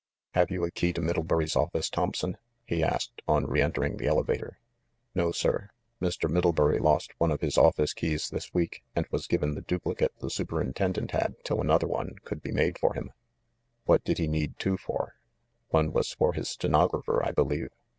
< "Have you a key to Middlebury's office, Thomp son ?" he asked on reentering the elevator. "No, sir. Mr. Middlebury lost one of his office keys this week, and was given the duplicate the superin tendent had till another one could be made for him." "What did he need two for?" "One was for his stenographer, I believe."